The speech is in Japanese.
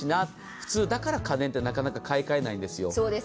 普通、だから家電ってなかなか買い換えないんですよ。